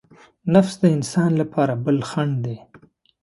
نفس د انسان لپاره بل خڼډ دی.